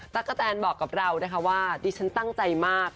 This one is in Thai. กะแตนบอกกับเรานะคะว่าดิฉันตั้งใจมาก